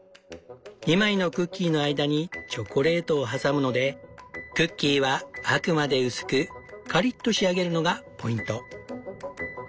２枚のクッキーの間にチョコレートを挟むのでクッキーはあくまで薄くカリッと仕上げるのがポイント。